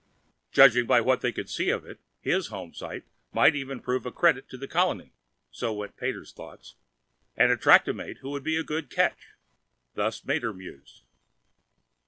Judging by what they could see of it, his homesite might even prove a credit to the colony (so went Pater's thoughts) and attract a mate who would be a good catch (thus Mater mused).